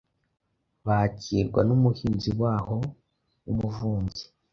bakirwa n’umuhinza waho w’umuvubyi,